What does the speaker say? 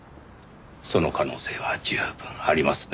その可能性は十分ありますね。